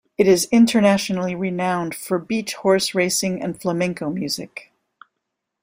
It is internationally renowned for beach horse racing and flamenco music.